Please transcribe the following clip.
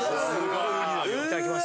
いただきます。